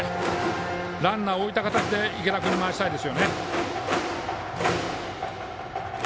ランナーを置いた形で池田君に回したいです。